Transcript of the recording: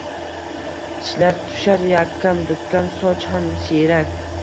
Tishlar tushar, yakkam-dukkam soch ham siyrak